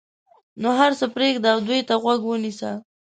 نو هر څه پرېږده او دوی ته غوږ ونیسه.